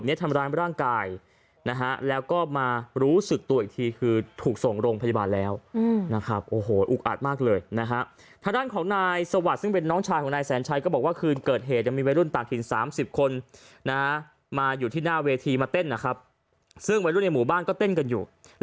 นายสวัสดิ์ซึ่งเป็นน้องชายของนายแซนชัยก็บอกว่าคืนเกิดเหตุ